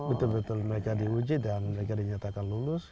betul betul mereka diuji dan mereka dinyatakan lulus